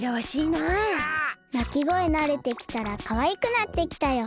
なきごえなれてきたらかわいくなってきたよ。